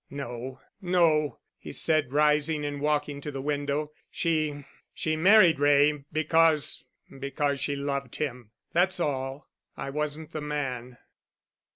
"No, no," he said, rising and walking to the window. "She—she married Wray—because—because she loved him, that's all. I wasn't the man."